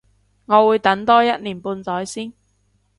我會等多一年半載先